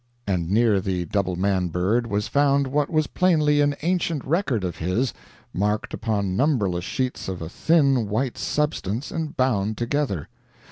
And near the Double Man Bird was found what was plainly an ancient record of his, marked upon numberless sheets of a thin white substance and bound together.